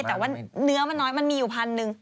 แต่ว่าเนื้อมันน้อยมันมีอยู่พันหนึ่ง